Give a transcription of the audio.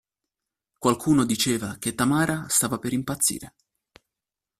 Qualcuno diceva che Tamara stava per impazzire.